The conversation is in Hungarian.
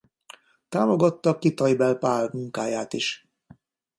Támogatta Kitaibel Pál munkáját is.